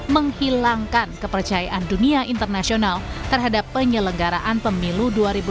menghilangkan kepercayaan dunia internasional terhadap penyelenggaraan pemilu dua ribu dua puluh